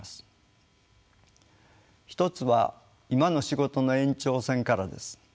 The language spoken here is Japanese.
一つは今の仕事の延長線からです。